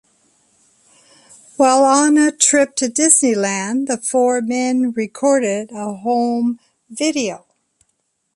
While on a trip to Disneyland, the four men recorded a home video.